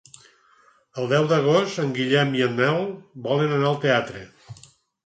El deu d'agost en Guillem i en Nel volen anar al teatre.